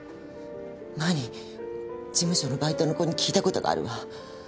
前に事務所のバイトの子に聞いた事があるわ。